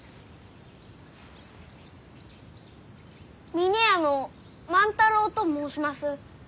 峰屋の万太郎と申します。